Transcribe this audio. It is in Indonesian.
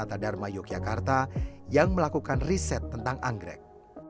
pusat studi lingkungan universitas tanata dharma yogyakarta yang melakukan riset tentang anggrek